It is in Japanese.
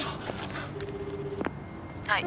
はい。